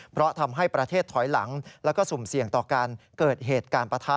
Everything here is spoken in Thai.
เพราะทำให้ประเทศถอยหลังแล้วก็สุ่มเสี่ยงต่อการเกิดเหตุการณ์ปะทะ